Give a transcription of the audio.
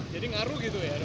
jadi ngaruh gitu ya